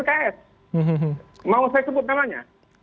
mau saya sebut namanya